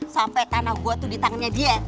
sampai tanah gue tuh di tangannya dia